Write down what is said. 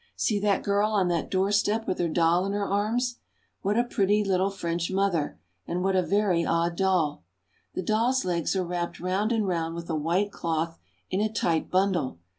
See that girl on that doorstep with her doll in her arms. What a pretty little French mother, and what a very odd doll ! The doll's legs are wrapped round and round with a white cloth in a tight bundle.